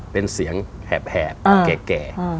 เป็นเสียงแหบแก่